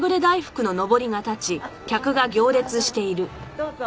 どうぞ。